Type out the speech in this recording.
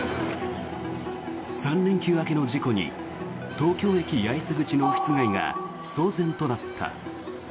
３連休明けの事故に東京駅八重洲口のオフィス街が騒然となった。